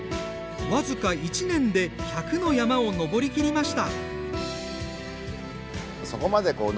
僅か１年で１００の山を登りきりました。